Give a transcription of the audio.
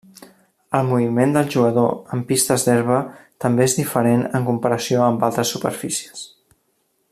El moviment del jugador en pistes d'herba també és diferent en comparació amb altres superfícies.